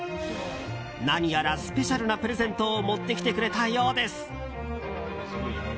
何やらスペシャルなプレゼントを持ってきてくれたようです。